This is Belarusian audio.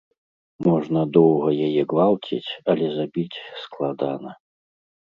Можна доўга яе гвалціць, але забіць складана.